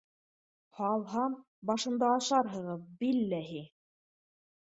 Һалһам — башымды ашарһығыҙ, билләһи!